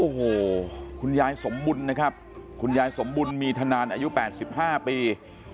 โอ้โหคุณยายสมบุญนะครับคุณยายสมบุญมีธนานอายุ๘๕ปี